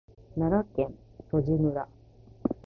奈良県曽爾村